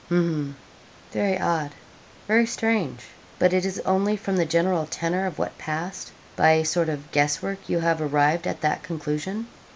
'H'm very odd very strange; but it is only from the general tenor of what passed, by a sort of guess work, you have arrived at that conclusion?'